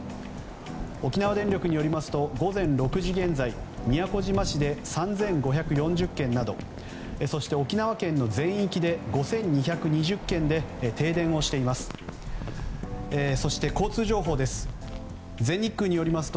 沖縄電力によりますと午前６時現在宮古島市で３５４０軒などそして、沖縄県の全域で５２２０軒で停電をしています。